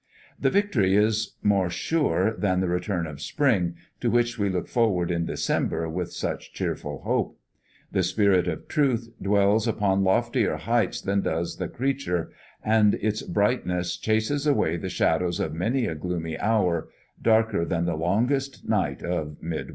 This victory is more sure than the return of spring, to which we look forward in December with such cheerful hope. The Spirit of Truth dwells upon loftier heights than does the creature, and its brightness chases away the shadows of many a gloomy hour, darker than the longest night of midwinter."